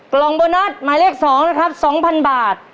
กล่องโบนัสหมายเลข๒นะครับ๒๐๐๐บาท